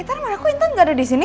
intan mana kok intan gak ada disini